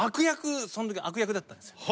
そのとき悪役だったんですよ。